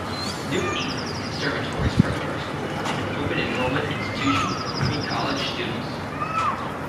New England Conservatory's Preparatory School is an open-enrollment institution for pre-college students.